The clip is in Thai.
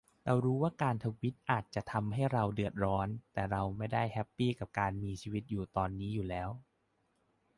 เรารู้ว่าการทวิตนี้อาจจะทำให้เราเดือดร้อน แต่เราก็ไม่ได้แฮปปี้กับการมีชีวิตอยู่ตอนนี้อยู่แล้ว